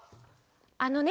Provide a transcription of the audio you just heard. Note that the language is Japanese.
あのね